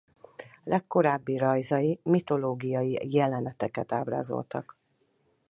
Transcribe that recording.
Legkorábbi rajzai mitológiai jeleneteket ábrázoltak.